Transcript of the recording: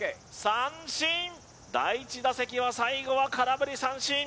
三振第１打席は最後は空振り三振